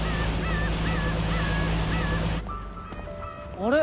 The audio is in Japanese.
あれ？